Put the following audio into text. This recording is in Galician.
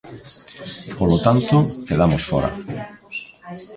Polo tanto, quedamos fóra.